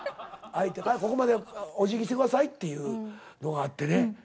相手なここまでおじぎしてくださいっていうのがあってね。